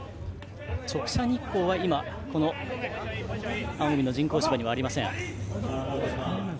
直射日光は今、青海の人工芝にはありません。